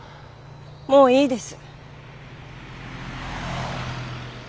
もういいです。